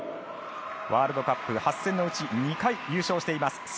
ワールドカップ８戦のうち２回優勝しています。